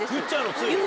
つい。